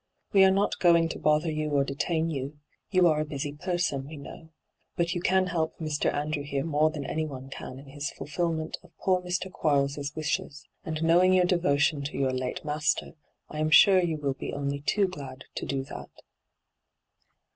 ' "We are not going to bother you or detain you — you are a busy person, we know. But you can help Mr. Andrew here more than anyone c^n in his fulfilment of poor Mr. Quarles' wishes ; and, knowing your devotion to your late master, I am sure you will be only too glad to do that.'